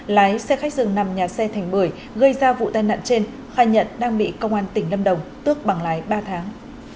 lái xe khách dừng nằm nhà xe thành bưởi gây ra vụ tai nạn trên khai nhận đang bị công an tỉnh lâm đồng tước bằng lái ba tháng